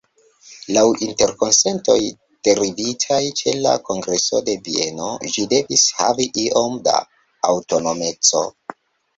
Laŭ interkonsentoj derivitaj ĉe la Kongreso de Vieno ĝi devis havi iom da aŭtonomeco.